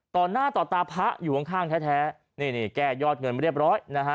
ต่อหน้าต่อตาพระอยู่ข้างแท้นี่นี่แก้ยอดเงินเรียบร้อยนะฮะ